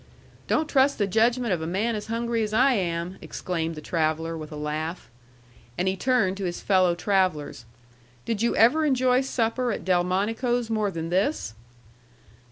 "Don't trust the judgment of a man as hungry as I am!" exclaimed the traveller, with a laugh. And he turned to his fellow travellers. "Did you ever enjoy supper at Delmonico's more than this?"